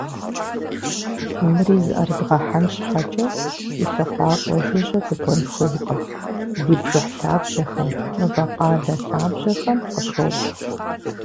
Мыри зыӏэрыдгъэхьэн щхьэкӏэ, и лъыхъуакӏуэ жыжьэ дыкӏуэн хуейкъым: ди бжыхь лъабжьэхэм, мывэкъалэ лъабжьэхэм къыщокӏ.